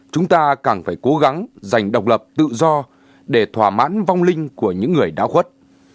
chúng ta càng phải cố gắng giành độc lập tự do để thỏa mãn vong linh của những người đã khuất